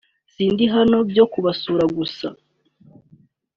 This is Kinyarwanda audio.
sindi hano byo kubasura gusa